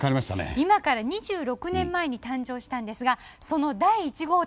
今から２６年前に誕生したんですがその第１号店